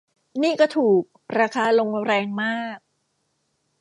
นี่ก็ถูก ราคาลงแรงมาก